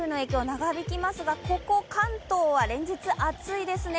長引きますが、ここ関東は連日、暑いですね。